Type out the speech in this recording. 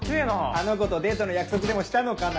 あの子とデートの約束でもしたのかな？